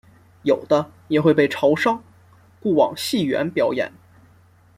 有的也会被潮商雇往戏园表演。